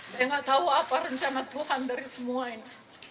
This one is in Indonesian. saya nggak tahu apa rencana tuhan dari semua ini